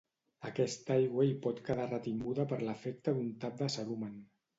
Aquesta aigua hi pot quedar retinguda per l'efecte d'un tap de cerumen.